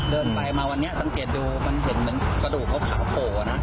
เดินไปมาวันนี้สังเกตดูมันเห็นเหมือนกระดูกเขาขาวโผล่นะ